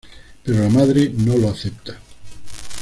Pero la madre no lo acepta.